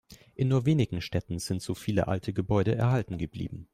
In nur wenigen Städten sind so viele alte Gebäude erhalten geblieben.